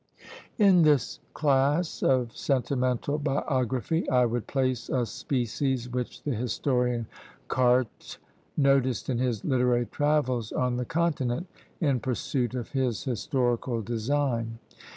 In this class of sentimental biography I would place a species which the historian Carte noticed in his literary travels on the Continent, in pursuit of his historical design.